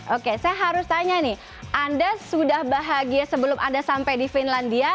oke saya harus tanya nih anda sudah bahagia sebelum anda sampai di finlandia